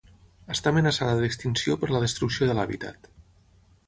Està amenaçada d'extinció per la destrucció de l'hàbitat.